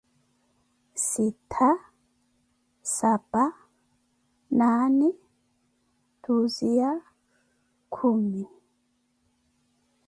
Sittha, spa, naane, tiisiya, kumi.